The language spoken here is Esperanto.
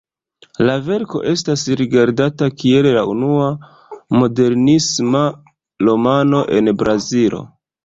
La verko estas rigardata kiel la unua "modernisma" romano en Brazilo.